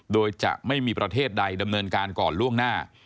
โดยจะไม่มีประเทศใดดำเนินการก่อนล่วงหน้า